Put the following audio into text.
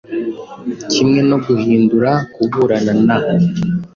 kimwe no guhindura Kuburana na